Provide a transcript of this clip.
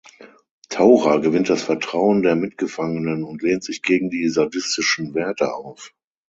Taura gewinnt das Vertrauen der Mitgefangenen und lehnt sich gegen die sadistischen Wärter auf.